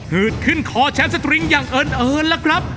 ืดขึ้นคอแชมป์สตริงอย่างเอิญล่ะครับ